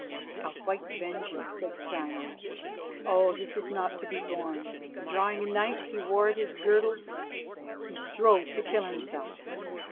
"A white vengeance," said Steinar. "Oh, this is not to be borne." And drawing a knife he wore at his girdle, he strove to kill himself.